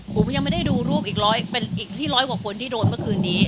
ผมยังไม่ได้ดูรูปอีกร้อยเป็นอีกที่ร้อยกว่าคนที่โดนเมื่อคืนนี้